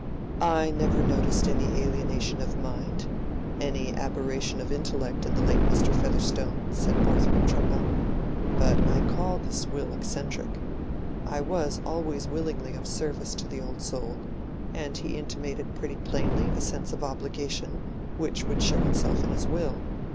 "I never noticed any alienation of mind—any aberration of intellect in the late Mr. Featherstone," said Borthrop Trumbull, "but I call this will eccentric. I was always willingly of service to the old soul; and he intimated pretty plainly a sense of obligation which would show itself in his will.